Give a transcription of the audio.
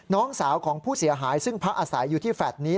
น้องสาวของผู้เสียหายซึ่งพักอาศัยอยู่ที่แฟลต์นี้